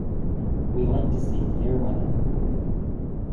We like to see clear weather.